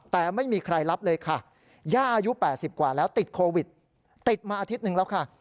แต่ไม่มีใครรับเลยค่ะย่าอายุ๘๐กว่าแล้วติดโควิดติดมาอาทิตย์หนึ่งแล้วค่ะ